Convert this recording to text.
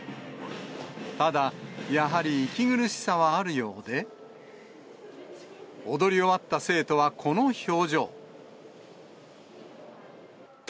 ただ、やはり息苦しさはあるようで、踊り終わった生徒はこの表情。